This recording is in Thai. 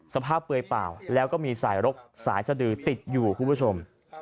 เปลือยเปล่าแล้วก็มีสายรกสายสดือติดอยู่คุณผู้ชม